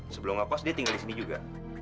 sebelum ngekos dia tinggal disini juga